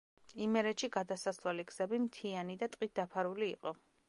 იმერეთში გადასასვლელი გზები მთიანი და ტყით დაფარული იყო.